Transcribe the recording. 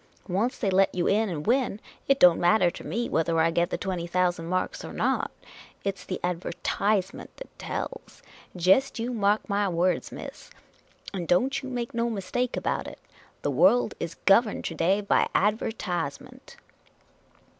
Once they let you run and win, it don't matter to me whether I get the twenty thousand marks or not. It 's the adver/wrment that tells. Jest you mark my words, miss, and don't you make no mistake about it — the world is gov erned to day by adver/Z^nnent.